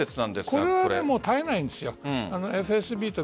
これは絶えないんです。